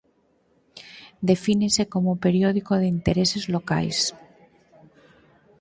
Defínese como Periódico de intereses locais.